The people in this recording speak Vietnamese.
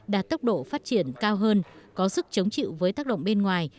đạt tốc độ phát triển cao hơn có sức chống chịu với tác động bên ngoài